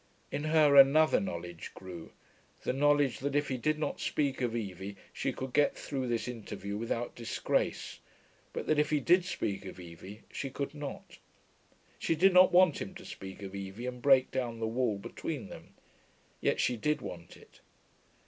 In her another knowledge grew: the knowledge that if he did not speak of Evie she could get through this interview without disgrace, but that if he did speak of Evie she could not. She did not want him to speak of Evie and break down the wall between them; yet she did want it.